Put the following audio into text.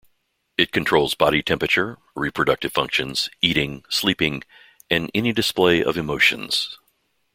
It controls body temperature, reproductive functions, eating, sleeping, and any display of emotions.